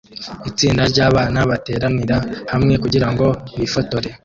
Itsinda ryabana bateranira hamwe kugirango bifotore